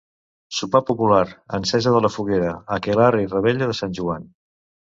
Sopar popular, encesa de la foguera, aquelarre i revetlla de Sant Joan.